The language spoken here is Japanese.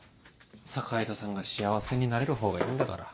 坂井戸さんが幸せになれる方がいいんだから。